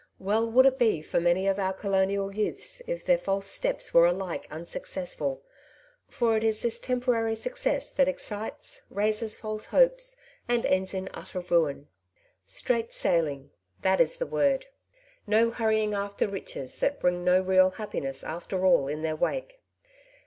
Well would it be for many of our colonial youths if their false steps were alike unsuccessful, for it is this temporary success that excites, raises false hopes, and ends in utter ruin. Straight sailing, that is the word. No hurrying after riches, that bring no real happiness after all in their wake.